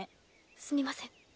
すみません。